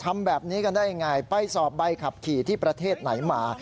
ทำแบบนี้กันได้ยังไงไปสอบใบขับขี่ที่ประเทศไหนมา